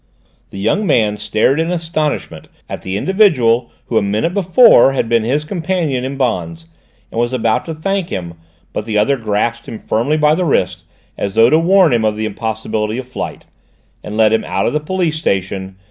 The young man stared in astonishment at the individual who a minute before had been his companion in bonds, and was about to thank him, but the other grasped him firmly by the wrist, as though to warn him of the impossibility of flight, and led him out of the police station.